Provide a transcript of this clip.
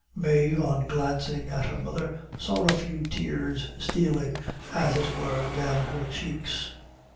Mave, on glancing at her mother, saw a few tears stealing, as it were, down her cheeks.